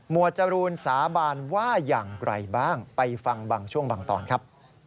จรูนสาบานว่าอย่างไรบ้างไปฟังบางช่วงบางตอนครับ